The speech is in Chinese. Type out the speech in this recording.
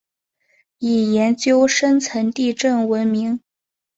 以研究深层地震闻名。